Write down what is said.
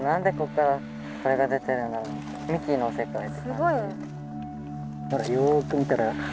すごいね！